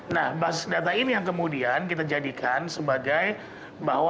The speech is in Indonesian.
nah basis data ini yang kemudian kita jadikan sebagai bahwa